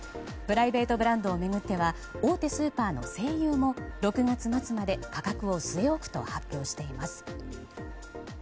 プライベートブランドを巡っては大手スーパーの西友も６月末まで価格を据え置くと発表しています。